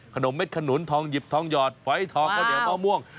ขนมเม็ดขนุนทองหยิบทองหยอดไฟทองเดี๋ยวหม้อม่วง